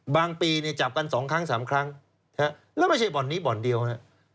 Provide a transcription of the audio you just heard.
ปีเนี่ยจับกัน๒ครั้ง๓ครั้งแล้วไม่ใช่บ่อนนี้บ่อนเดียวนะ